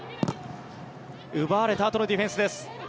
奪われたあとのディフェンスです。